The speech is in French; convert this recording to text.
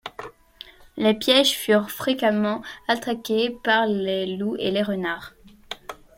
Les pièges furent fréquemment attaqués par les loups et les renards.